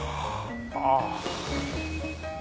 ああ。